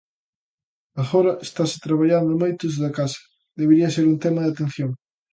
Agora estase traballando moito desde a casa, debería ser un tema de atención.